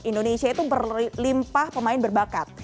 indonesia itu berlimpah pemain berbakat